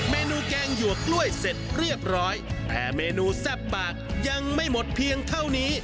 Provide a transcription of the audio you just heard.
เมนูแกงหยวกกล้วยเสร็จเรียบร้อยแต่เมนูแซ่บปากยังไม่หมดเพียงเท่านี้